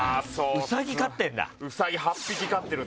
ウサギ飼ってるんだ。